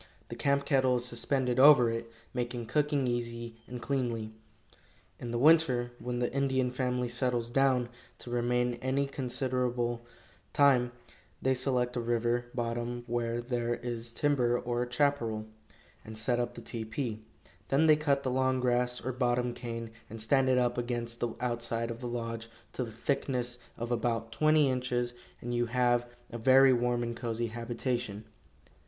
The camp kettle is suspended over it, making cooking easy and cleanly. In the winter, when the Indian family settles down to remain any considerable time, they select a river bottom where there is timber or chaparral, and set up the tepee; then they cut the long grass or bottom cane, and stand it up against the outside of the lodge to the thickness of about twenty inches, and you have a very warm and cozy habitation.